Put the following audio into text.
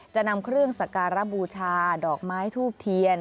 จะนำเครื่องสการบูชาดอกไม้ทูบเทียน